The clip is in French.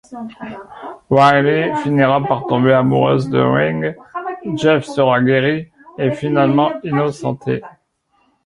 Riley finira par tomber amoureuse de Ring, Jeff sera guéri et finalement innocenté.